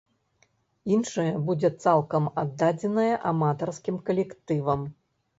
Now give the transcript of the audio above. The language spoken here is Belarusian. Іншая будзе цалкам аддадзеная аматарскім калектывам.